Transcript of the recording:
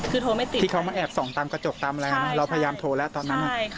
คือโทรไม่ติดที่เขามาแอบส่องตามกระจกตามอะไรนะเราพยายามโทรแล้วตอนนั้น